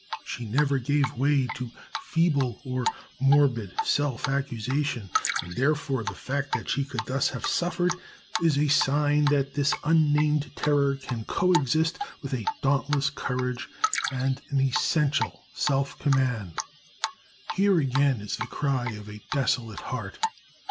She never gave way to feeble or morbid self accusation, and therefore the fact that she could thus have suffered is a sign that this unnamed terror can coexist with a dauntless courage and an essential self command. Here again is the cry of a desolate heart!